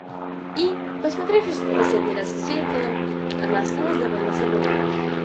И, посмотревшись в последний раз в зеркало, она осталась довольна собой.